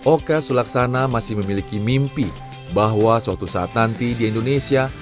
oka sulaksana masih memiliki mimpi bahwa suatu saat nanti di indonesia